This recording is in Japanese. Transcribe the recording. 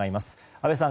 阿部さん